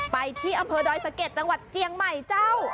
ไปที่อำเภอดอยสะเก็ดจังหวัดเจียงใหม่เจ้า